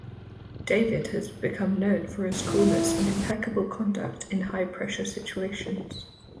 Davis has become known for his coolness and impeccable conduct in high-pressure situations.